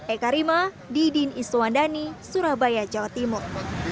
eka rima didin iswandani surabaya jawa timur